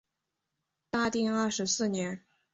大定二十四年。